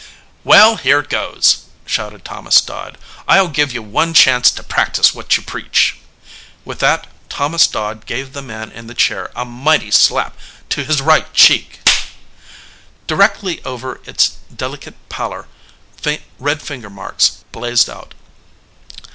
"Well, here goes !" shouted Thomas Dodd. "I ll give you one chance to practise what you preach !" With that Thomas Dodd gave the man in the chair a mighty slap on his right cheek. Directly over its delicate pallor red finger marks blazed out.